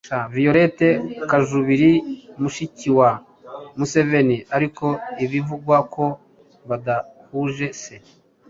Violet Kajubiri mushiki wa Museveni ariko bivugwa ko badahuje se